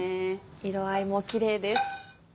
色合いもキレイです。